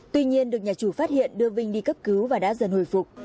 tuy nhiên được nhà chủ phát hiện đưa vinh đi cấp cứu và đã dần hồi phục